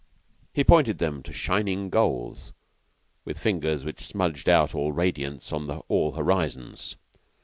He pointed them to shining goals, with fingers which smudged out all radiance on all horizons.